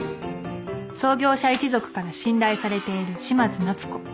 創業者一族から信頼されている嶋津奈都子。